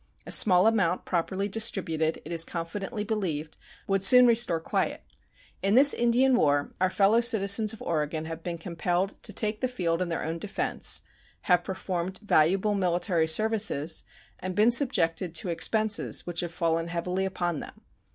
A small amount properly distributed, it is confidently believed, would soon restore quiet. In this Indian war our fellow citizens of Oregon have been compelled to take the field in their own defense, have performed valuable military services, and been subjected to expenses which have fallen heavily upon them.